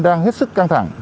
đang hết sức căng thẳng